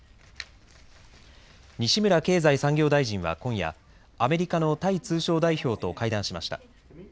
西村経済産業大臣は今夜アメリカのタイ通商代表と会談しました。